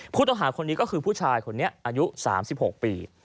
ผู้ต้องหาคนนี้ก็คือผู้ชายคนนี้อายุ๓๖ปี